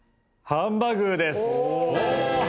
ハンバ具ーです。